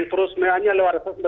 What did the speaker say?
terus mereka hanya lewat